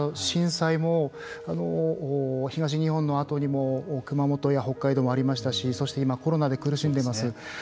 震災も、東日本のあとにも熊本や北海道もありましたしそして今コロナで苦しんでいます。